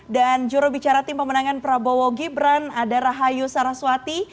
dan juro bicara tim pemenangan prabowo gibran ada rahayu saraswati